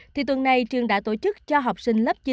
thì tuần này trường đã tổ chức cho học sinh lớp chín